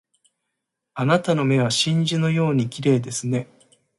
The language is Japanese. あなたの目は真珠のように綺麗ですね